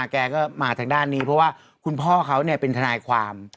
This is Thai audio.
แกก็มาทางด้านนี้เพราะว่าคุณพ่อเขาเป็นทนายความ